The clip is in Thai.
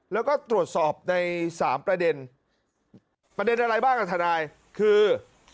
แล้วก็ตรวจสอบในสามประเด็นประเด็นอะไรบ้างอ่ะทนายคือ